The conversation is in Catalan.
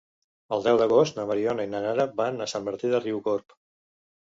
El deu d'agost na Mariona i na Nara van a Sant Martí de Riucorb.